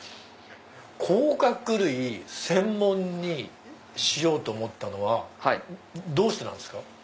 甲殻類専門にしようと思ったのはどうしてなんですか？